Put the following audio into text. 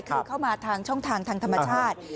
คือเข้ามาทางช่องทางทางธรรมชาติ